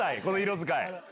この色使い。